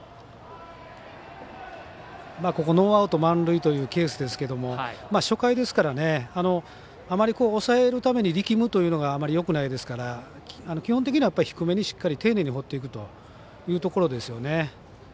ノーアウト満塁というケースですけど初回ですからあまり抑えるために力むというのがよくないですから基本的には低めに丁寧に放っていくというところですよね。